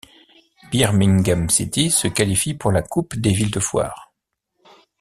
Birmingham City se qualifie pour la coupe des villes de foires.